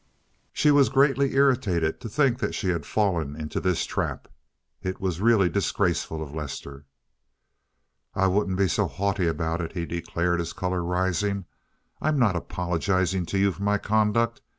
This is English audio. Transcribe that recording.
She was greatly irritated to think that she had fallen into this trap; it was really disgraceful of Lester. "I wouldn't be so haughty about it," he declared, his color rising. "I'm not apologizing to you for my conduct.